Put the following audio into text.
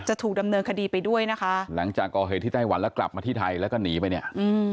จะถูกดำเนินคดีไปด้วยนะคะหลังจากก่อเหตุที่ไต้หวันแล้วกลับมาที่ไทยแล้วก็หนีไปเนี่ยอืม